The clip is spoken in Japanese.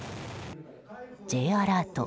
Ｊアラート